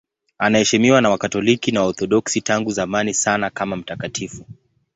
Anaheshimiwa na Wakatoliki na Waorthodoksi tangu zamani sana kama mtakatifu.